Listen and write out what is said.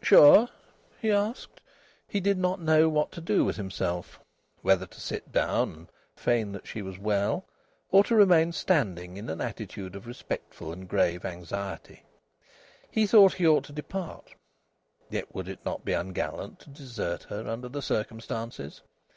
"Sure?" he asked. He did not know what to do with himself whether to sit down and feign that she was well, or to remain standing in an attitude of respectful and grave anxiety. He thought he ought to depart; yet would it not be ungallant to desert her under the circumstances?